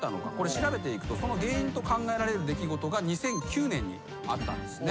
調べていくとその原因と考えられる出来事が２００９年にあったんですね。